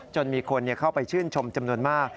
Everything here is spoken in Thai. มีคนเข้าไปชื่นชมจำนวนมาก